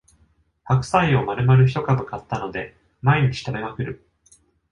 白菜をまるまる一株買ったので毎日食べまくる